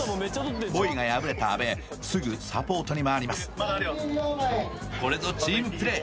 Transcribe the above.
ポイが破れた阿部すぐサポートにまわります３０秒前これぞチームプレー